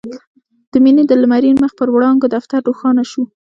د مينې د لمرين مخ په وړانګو دفتر روښانه شو.